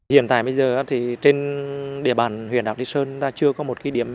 hiện tại bây giờ thì trên địa bàn huyện đảo lý sơn chưa có một cái điểm